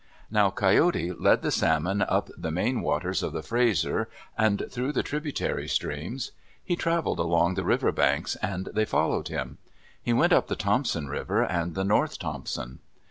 Now Coyote led the salmon up the main waters of the Fraser and through the tributary streams. He traveled along the river banks and they followed him. He went up the Thompson River and the North Thompson.